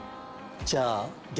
じゃあ。